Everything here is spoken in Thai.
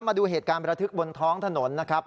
มาดูเหตุการณ์ประทึกบนท้องถนนนะครับ